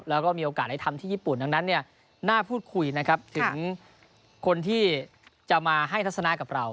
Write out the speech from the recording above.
แล้วก็มีโอกาสได้ทำที่ญี่ปุ่นนั้นน่าพูดคุยถึงคนที่จะมาให้ทัศนะกับเรา